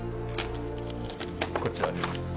こちらです。